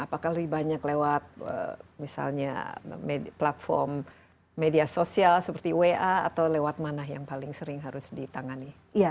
apakah lebih banyak lewat misalnya platform media sosial seperti wa atau lewat mana yang paling sering harus ditangani